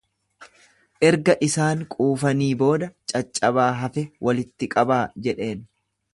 Erga isaan quufanii booda, Caccabaa hafe walitti qabaa jedheen.